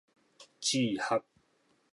志學